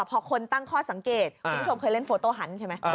พอคนตั้งข้อสังเกตคุณผู้ชมเคยเล่นโฟโต้ฮันต์ใช่ไหม